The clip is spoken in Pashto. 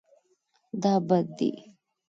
دا بد دی